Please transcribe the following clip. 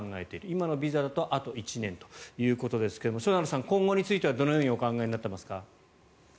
今のビザだとあと１年ということですがしょなるさん、今後についてはどのようにお考えになっていますか。